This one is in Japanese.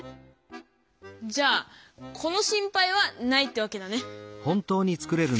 じゃあこの心配はないってわけだね。